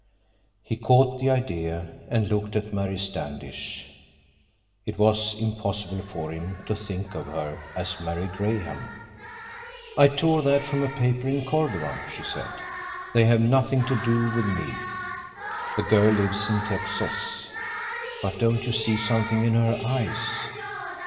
He caught the idea and looked at Mary Standish. It was impossible for him to think of her as Mary Graham. "I tore that from a paper in Cordova," she said. "They have nothing to do with me. The girl lives in Texas. But don't you see something in her eyes?